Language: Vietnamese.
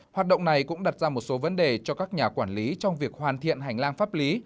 hoạt động này cũng đặt ra một số vấn đề cho các nhà quản lý trong việc hoàn thiện hành lang pháp lý